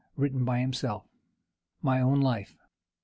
WRITTEN BY HIMSELF. MY OWN LIFE.